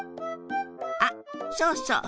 あっそうそう。